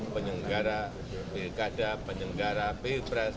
penyelenggara bkd penyelenggara bpres